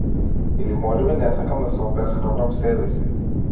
Или можеби не сакам да се обесхрабрам себеси.